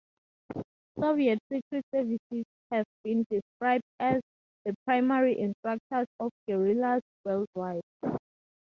Soviet secret services have been described as "the primary instructors of guerrillas worldwide".